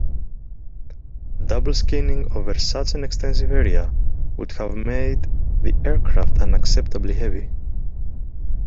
Double skinning over such an extensive area would have made the aircraft unacceptably heavy.